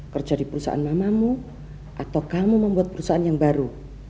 kerja di perusahaan mamamu atau kamu membuat perusahaan yang baru